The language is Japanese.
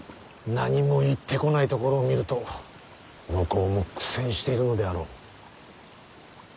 何も言ってこないところを見ると向こうも苦戦しているのであろう。